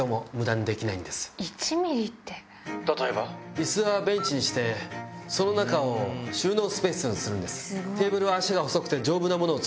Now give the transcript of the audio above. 椅子はベンチにしてその中を収納スペースにするんです。